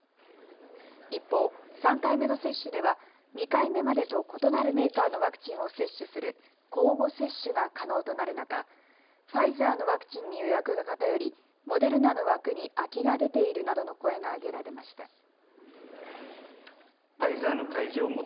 一方、３回目の接種では２回目までと異なるメーカーのワクチンを接種する交互接種が可能となる中、ファイザーのワクチンに予約が偏りモデルナの枠に空きが出ているなどの声が上げられました。